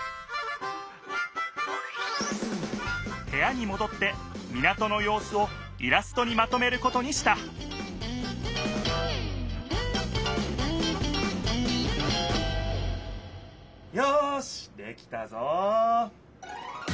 へやにもどって港のようすをイラストにまとめることにしたよしできたぞ！